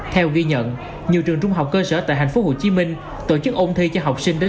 theo ghi nhận nhiều trường trung học cơ sở tại hạnh phúc hồ chí minh tổ chức ôn thi cho học sinh đến